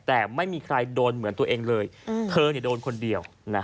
แต่ไม่มีใครโดนเหมือนตัวเองเลยเธอโดนคนเดียว